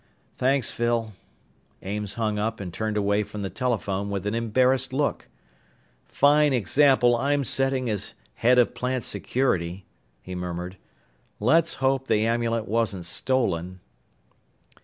"Thanks, Phil." Ames hung up and turned away from the telephone with an embarrassed look. "Fine example I'm setting as head of plant security," he murmured. "Let's hope the amulet wasn't stolen."